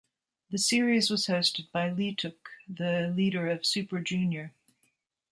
The series was hosted by Leeteuk, the leader of Super Junior.